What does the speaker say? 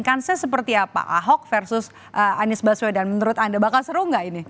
kansnya seperti apa ahok versus anies baswedan menurut anda bakal seru nggak ini